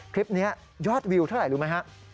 คลิปนี้ยอดวิวเท่าไหร่รู้ไหมฮะ